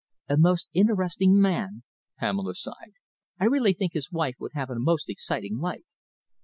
"A most interesting man," Pamela sighed. "I really think his wife would have a most exciting life."